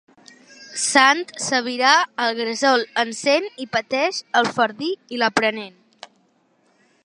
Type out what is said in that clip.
Sant Cebrià el gresol encén, i pateix el fadrí i l'aprenent.